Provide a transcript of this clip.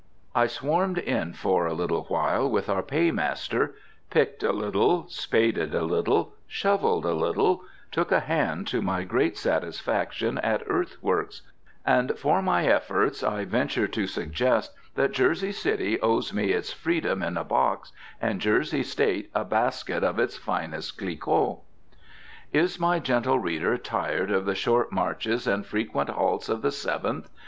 I swarmed in for a little while with our Paymaster, picked a little, spaded a little, shovelled a little, took a hand to my great satisfaction at earth works, and for my efforts I venture to suggest that Jersey City owes me its freedom in a box, and Jersey State a basket of its finest Clicquot. Is my gentle reader tired of the short marches and frequent halts of the Seventh?